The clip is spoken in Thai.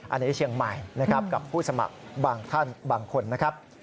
อันนี้เชียงใหม่นะครับกับผู้สมัครบางท่านบางคนนะครับ